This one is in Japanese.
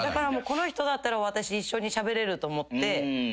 この人だったら私一緒にしゃべれると思って。